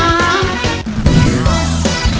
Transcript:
อ้าว